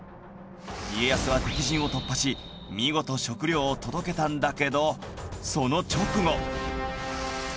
家康は敵陣を突破し見事食料を届けたんだけどその直後